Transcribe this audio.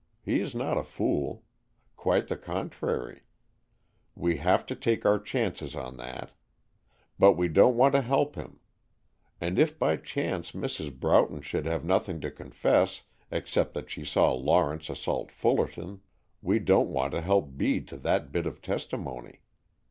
He is not a fool. Quite the contrary. We have to take our chances on that. But we don't want to help him. And if by chance Mrs. Broughton should have nothing to confess except that she saw Lawrence assault Fullerton, we don't want to help Bede to that bit of testimony.